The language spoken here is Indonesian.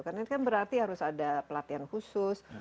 karena ini kan berarti harus ada pelatihan khusus